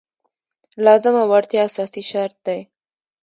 لازمه وړتیا اساسي شرط دی.